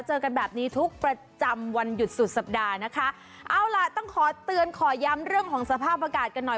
เจอกันแบบนี้ทุกประจำวันหยุดสุดสัปดาห์นะคะเอาล่ะต้องขอเตือนขอย้ำเรื่องของสภาพอากาศกันหน่อย